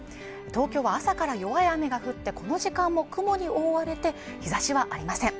東京は朝から弱い雨が降ってこの時間も雲に覆われて日差しはありません